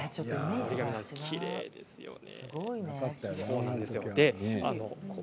きれいですよね。